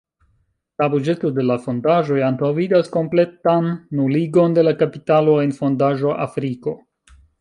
La buĝeto de la fondaĵoj antaŭvidas kompletan nuligon de la kapitalo en fondaĵo Afriko.